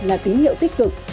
là tín hiệu tích cực